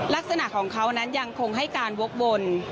ลักษณะของเขานั้นยังคงให้การวกวน